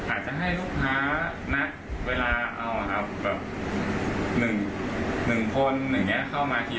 อาจจะให้ลูกค้าณเวลาเอาแบบ๑คนอย่างนี้เข้ามาที